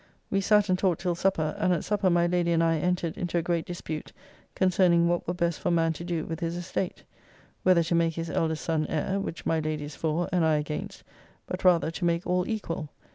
We sat and talked till supper, and at supper my Lady and I entered into a great dispute concerning what were best for a man to do with his estate whether to make his elder son heir, which my Lady is for, and I against, but rather to make all equall.